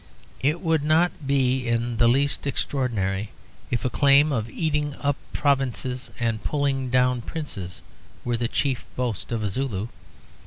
It would not be in the least extraordinary if a claim of eating up provinces and pulling down princes were the chief boast of a Zulu.